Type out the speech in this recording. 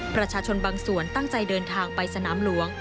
ประชาชนบางส่วนตั้งใจเดินทางไปสนามหลวง